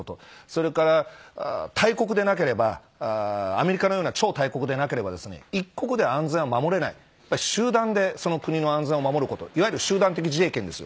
それから大国でなければアメリカのような超大国でなければ一国で安全は守れない集団でその国の安全を守ることいわゆる集団的自衛権です。